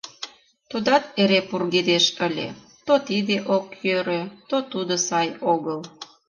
Тудат эре пургедеш ыле: то тиде ок йӧрӧ, то тудо сай огыл...